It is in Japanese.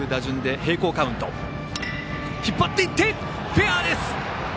フェアです！